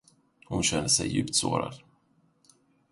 Hon kände sig djupt sårad.